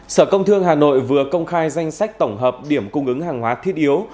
sở công thương hà nội vừa công khai danh sách tổng hợp điểm cung ứng hàng hóa thiết yếu